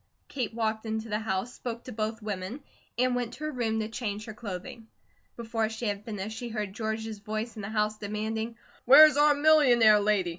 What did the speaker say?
Kate walked into the house, spoke to both women, and went to her room to change her clothing. Before she had finished, she heard George's voice in the house demanding: "Where's our millionaire lady?